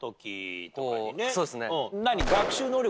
そうですね。